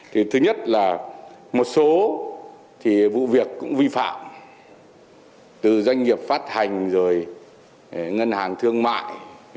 thì thứ nhất là một số vụ việc cũng vi phạm từ doanh nghiệp phát hành rồi ngân hàng thương mại